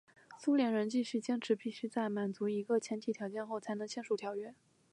苏联人继续坚持必须在满足一个前提条件后才能签署条约。